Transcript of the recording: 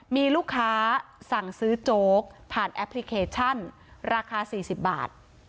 มีลูกค้าสั่งซื้อโจ๊กผ่านแอปพลิเคชันราคา๔๐บาท